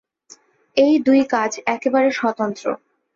এই দুই কাজ একেবারে স্বতন্ত্র।